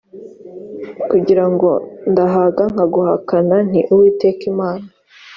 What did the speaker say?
kugira ngo ndahaga nkaguhakana nti uwiteka ni imana